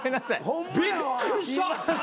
びっくりした。